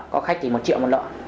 có khách thì một triệu một lọ